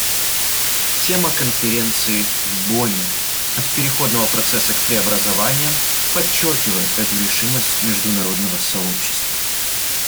Тема Конференции в Бонне «От переходного процесса к преобразованиям» подчеркивает эту решимость международного сообщества.